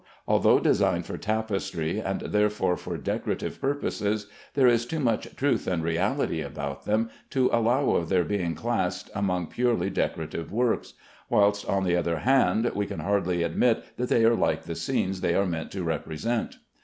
Although designed for tapestry, and therefore for decorative purposes, there is too much truth and reality about them to allow of their being classed among purely decorative works; whilst, on the other hand, we can hardly admit that they are like the scenes they are meant to represent.